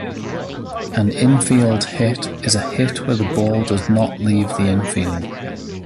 An "infield hit" is a hit where the ball does not leave the infield.